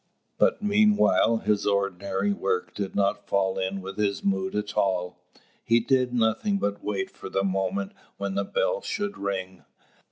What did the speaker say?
But meanwhile his ordinary work did not fall in with his mood at all. He did nothing but wait for the moment when the bell should ring.